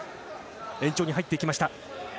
延長に入ってきました。